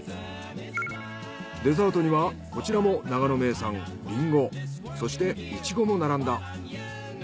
デザートにはこちらも長野名産リンゴそしてイチゴも並んだ。